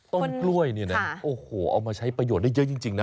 กล้วยเนี่ยนะโอ้โหเอามาใช้ประโยชน์ได้เยอะจริงนะ